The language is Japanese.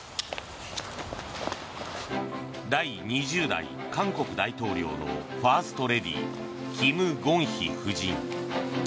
第２０代韓国大統領のファーストレディーキム・ゴンヒ夫人。